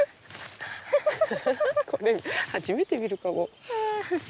これ初めて見るかも。